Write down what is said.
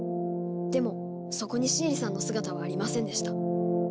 でもそこにシエリさんの姿はありませんでした。